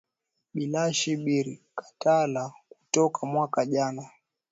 Bilashi biri katala ku toka mwaka jana